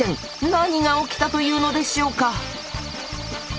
何が起きたというのでしょうか？